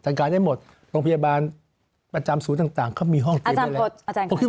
จัดการได้หมดโรงพยาบาลประจำสูตรต่างเขามีห้องเต็มได้เลย